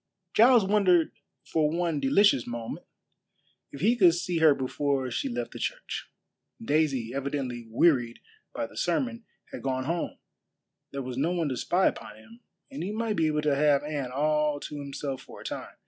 Giles wondered for one delicious moment if he could see her before she left the church. Daisy, evidently wearied by the sermon, had gone home, there was no one to spy upon him, and he might be able to have Anne all to himself for a time.